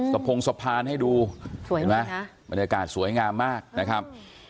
พงสะพานให้ดูสวยเห็นไหมบรรยากาศสวยงามมากนะครับ